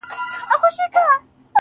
هڅه انسان غښتلی کوي.